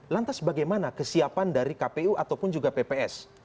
lantas bagaimana kesiapan dari kpu ataupun juga pps